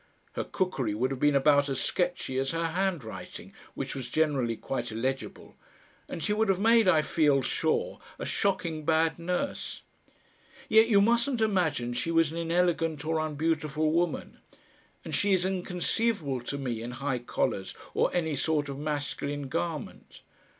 Her cookery would have been about as sketchy as her handwriting, which was generally quite illegible, and she would have made, I feel sure, a shocking bad nurse. Yet you mustn't imagine she was an inelegant or unbeautiful woman, and she is inconceivable to me in high collars or any sort of masculine garment.